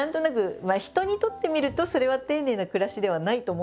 人にとってみるとそれは丁寧な暮らしではないと思うんだけど。